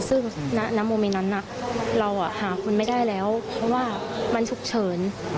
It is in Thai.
ซึ่งในมุมนั้นน่ะเราอ่ะหาคนไม่ได้แล้วเพราะว่ามันฉุกเฉิน